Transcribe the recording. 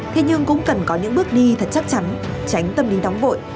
thế nhưng cũng cần có những bước đi thật chắc chắn tránh tâm lý đóng vội